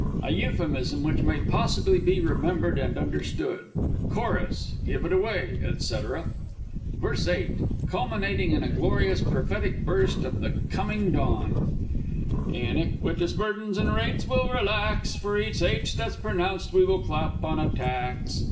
[A euphemism which may possibly be remembered and understood. Chorus Give it away, &c. VERSE VIII. (culminating in a glorious prophetic burst of the Coming Dawn). Iniquitous burdens and rates we'll relax: For each "h" that's pronounced we will clap on a tax!